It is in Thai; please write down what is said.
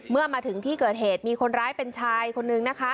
เมื่อมาถึงที่เกิดเหตุมีคนร้ายเป็นชายคนนึงนะคะ